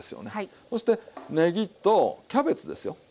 そしてねぎとキャベツですよ。